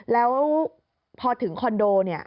แล้วพอถึงคอนโด